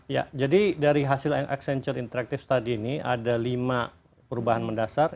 ya jadi dari hasil accenture interaktif study ini ada lima perubahan mendasar